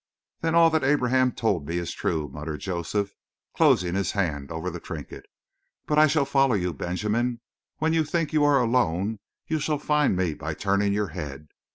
"Then all that Abraham told me is true!" muttered Joseph, closing his hand over the trinket. "But I shall follow you, Benjamin. When you think you are alone you shall find me by turning your head.